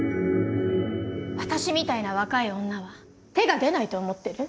私みたいな若い女は手が出ないと思ってる？